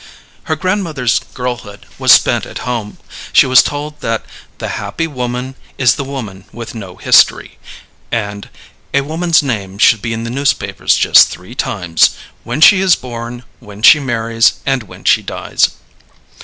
Her grandmother's girlhood was spent at home. She was told that "the happy woman is the woman with no history"; and "a woman's name should be in the newspapers just three times when she is born, when she marries, and when she dies."